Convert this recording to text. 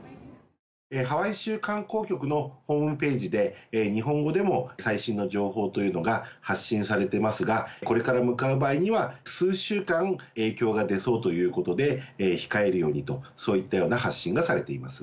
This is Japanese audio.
ハワイ州観光局のホームページで、日本語でも最新の情報というのが発信されてますが、これから向かう場合には数週間、影響が出そうということで、控えるようにと、そういったような発信がされています。